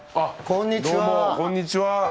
・こんにちは。